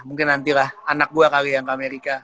mungkin nanti lah anak gue kali yang ke amerika